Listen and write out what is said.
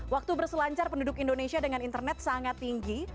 waktu berselancar penduduk indonesia dengan internet sangat tinggi